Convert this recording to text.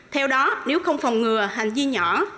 theo đó nếu không phòng ngừa hành di nhỏ